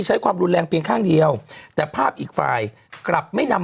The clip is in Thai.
ใช้ความรุนแรงเพียงข้างเดียวแต่ภาพอีกฝ่ายกลับไม่นำ